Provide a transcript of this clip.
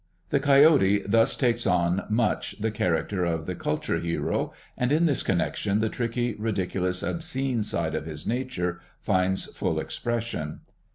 The Coyote thus takes on much the character of the culture hero; and in this connection the tricky, ridiculous, obscene side of his nature finds full expression.